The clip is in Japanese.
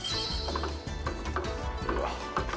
うわっ！